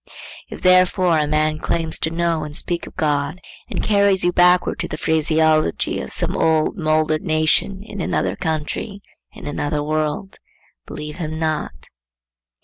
If therefore a man claims to know and speak of God and carries you backward to the phraseology of some old mouldered nation in another country, in another world, believe him not.